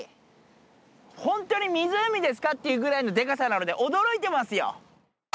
本当に湖ですかっていうぐらいのでかさなので驚いてますよ！